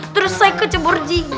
terus saya kecebur ji